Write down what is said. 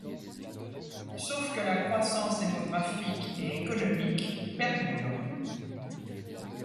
Sauf que la croissance démographique et économique perdure.